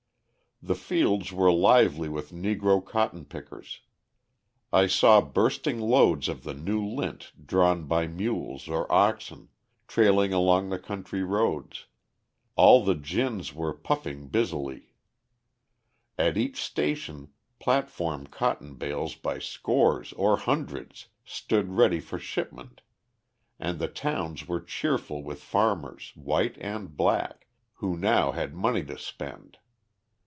The fields were lively with Negro cotton pickers; I saw bursting loads of the new lint drawn by mules or oxen, trailing along the country roads; all the gins were puffing busily; at each station platform cotton bales by scores or hundreds stood ready for shipment and the towns were cheerful with farmers white and black, who now had money to spend.